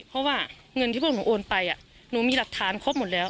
เพราะว่าเงินที่พวกหนูโอนไปหนูมีหลักฐานครบหมดแล้ว